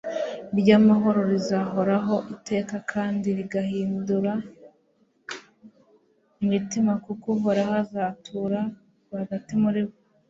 ry'amahoro, rizahoraho iteka kandi rigahindura imitima kuko uhoraho azatura rwagati muri bo